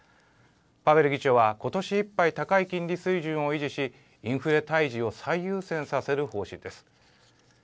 パウエル議長は今年いっぱい高い金利水準を維持しインフレ退治を最優先させる方針です。